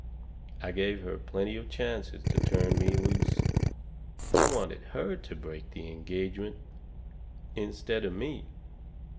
I gave her plenty of chances to turn me loose. I wanted her to break the engagement instead of me.